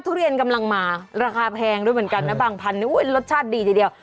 ทุเรียนกำลังมาราคาแพงด้วยเหมือนกันนะบางพันรสชาติดีทีเดียว